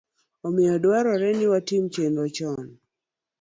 Omiyo, dwarore ni watim chenro chon